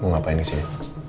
mau ngapain di sini